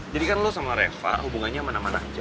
jadi kan lo sama reva hubungannya mana mana aja